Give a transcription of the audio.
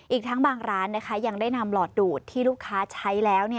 อีกทั้งบางร้านยังได้นำหลอดดูดที่ลูกค้าใช้แล้ว